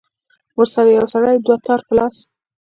ورسره يو سړى دوتار په لاس.